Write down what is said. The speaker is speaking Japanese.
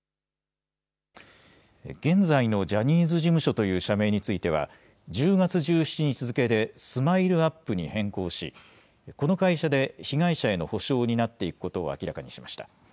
現在のジャニーズ事務所という社名については、１０月１７日付でＳＭＩＬＥーＵＰ．に変更し、この会社で被害者への補償を担っていくことを明らかにしました。